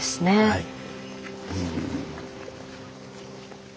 はい。